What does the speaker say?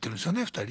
２人。